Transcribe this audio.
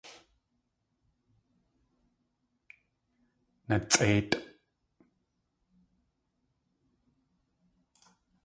Natsʼéitʼ!